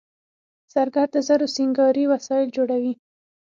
زرګر د زرو سینګاري وسایل جوړوي